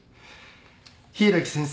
柊木先生